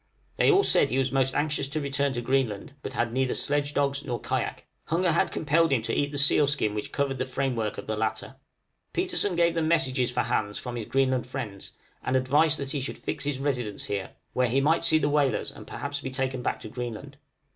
They all said he was most anxious to return to Greenland, but had neither sledge dogs nor kayak; hunger had compelled him to eat the seal skin which covered the framework of the latter. Petersen gave them messages for Hans from his Greenland friends, and advice that he should fix his residence here, where he might see the whalers and perhaps be taken back to Greenland.